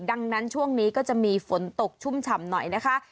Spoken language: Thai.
ดังนั้นช่วงนี้ก็จะมีฝนตกชุ่มฉ่ำหน่อยนะคะ